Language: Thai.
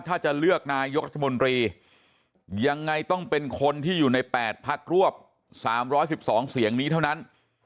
ถ้าจะเลือกนายกรัฐมนตรียังไงต้องเป็นคนที่อยู่ใน๘พักรวบ๓๑๒เสียงนี้เท่านั้น